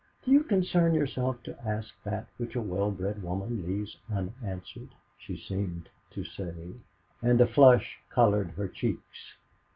"Do you concern yourself to ask that which a well bred woman leaves unanswered?" she seemed to say, and a flush coloured her cheeks.